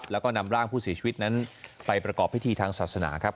แล้วก็นำร่างผู้เสียชีวิตนั้นไปประกอบพิธีทางศาสนาครับ